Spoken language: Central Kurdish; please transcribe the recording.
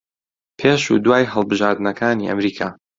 پێش و دوای هەڵبژاردنەکانی ئەمریکا